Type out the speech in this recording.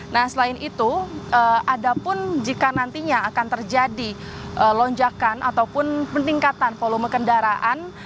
nah selain itu ada pun jika nantinya akan terjadi lonjakan ataupun peningkatan volume kendaraan